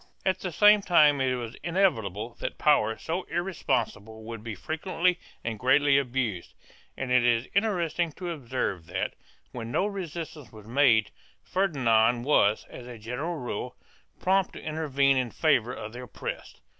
2 At the same time it was inevitable that power so irresponsible would be frequently and greatly abused, and it is interesting to observe that, when no resistance was made, Ferdinand was, as a general rule, prompt to intervene in favor of the oppressed.